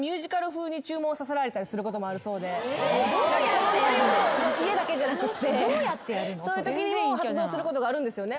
このノリを家だけじゃなくってそういうときにも発動することがあるんですよね？